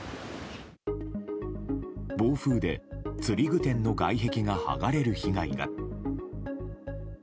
暴風で釣具店の外壁が剥がれる被害が。